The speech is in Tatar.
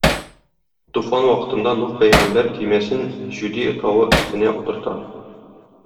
Туфан вакытында Нух пәйгамбәр көймәсен Җүди тавы өстенә утырта.